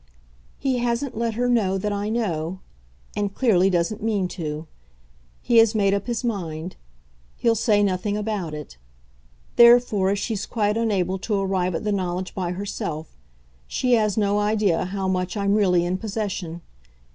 "He hasn't let her know that I know and, clearly, doesn't mean to. He has made up his mind; he'll say nothing about it. Therefore, as she's quite unable to arrive at the knowledge by herself, she has no idea how much I'm really in possession.